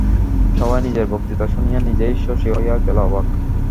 সভায় নিজের বক্তৃতা শুনিয়া নিজেই শশী হইয়া গেল অবাক।